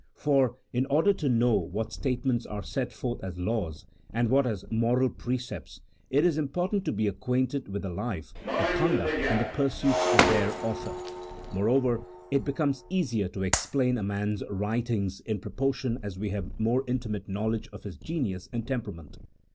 For, in order to know what statements are set forth as laws, and what as moral pre cepts, it is important to be acquainted with the life, the conduct, and the pursuits of their author : moreover, it becomes easier to explain a man's writings in proportion as we have more intimate knowledge of his genius and tem perament.